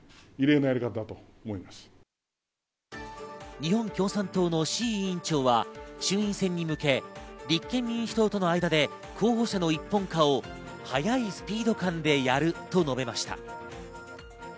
日本共産党の志位委員長は衆院選に向け、立憲民主党との間で候補者の一本化を早いスピード感でやると述べました。